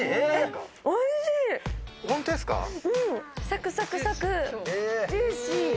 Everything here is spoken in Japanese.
サクサクサク、ジューシー。